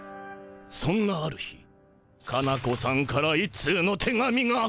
そんなある日カナ子さんから一通の手紙が。